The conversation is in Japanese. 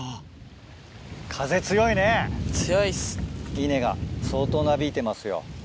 稲が相当なびいてますよ。